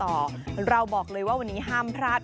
วันนี้เราบอกเลยว่าห้ามพลาด